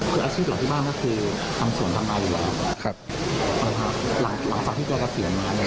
คืออาชีพเดี๋ยวมาที่บ้านก็คือทำส่วนทำบ้านอยู่ก่อน